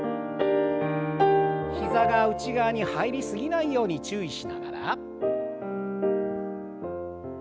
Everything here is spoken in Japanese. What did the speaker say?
膝が内側に入り過ぎないように注意しながら。